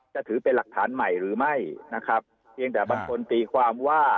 จะถือเป็นหลักฐานใหม่หรือไม่นะครับเพียงแต่บางคนตีความว่า